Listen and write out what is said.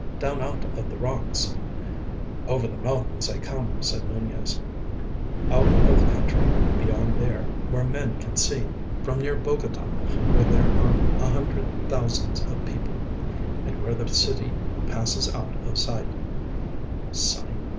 "Down out of the rocks." "Over the mountains I come," said Nunez, "out of the country beyond there—where men can see. From near Bogota—where there are a hundred thousands of people, and where the city passes out of sight." "Sight?"